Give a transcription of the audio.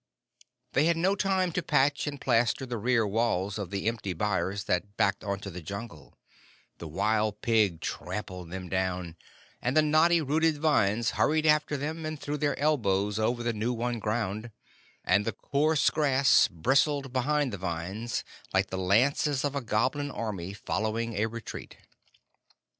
They had no time to patch and plaster the rear walls of the empty byres that backed on to the Jungle; the wild pig trampled them down, and the knotty rooted vines hurried after and threw their elbows over the new won ground, and the coarse grass bristled behind the vines like the lances of a goblin army following a retreat.